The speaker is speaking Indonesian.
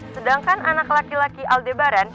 sedangkan anak laki laki aldebaran